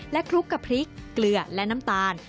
คลุกกับพริกเกลือและน้ำตาล